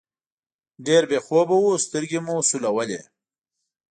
ډېر بې خوبه وو، سترګې مو سولولې.